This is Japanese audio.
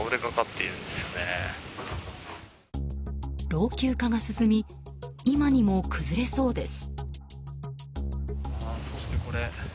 老朽化が進み今にも崩れそうです。